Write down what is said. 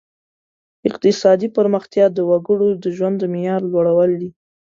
اقتصادي پرمختیا د وګړو د ژوند د معیار لوړول دي.